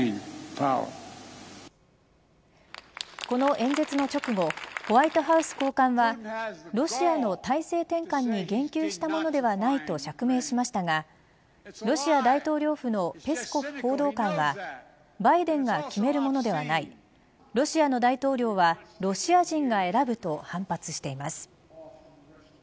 この演説の直後ホワイトハウス高官はロシアの体制転換に言及したものではないと釈明しましたがロシア大統領府のペスコフ報道官はバイデンが決めるものではないロシアの大統領はロシア人が選ぶと反発しています。